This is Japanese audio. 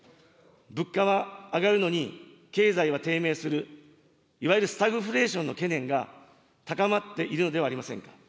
物価は上がるのに経済は低迷する、いわゆるスタグフレーションの懸念が高まっているのではありませんか。